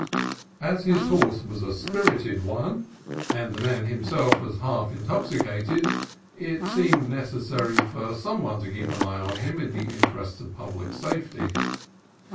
As his horse was a spirited one and 76 CALIFORNIA COAST TRAILS the man was half intoxicated, it seemed necessary for some one to keep an eye on him in the interests of the public safety.